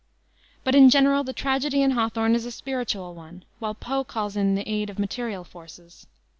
But in general the tragedy in Hawthorne is a spiritual one, while Poe calls in the aid of material forces.